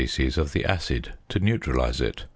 c. of the acid to neutralise it.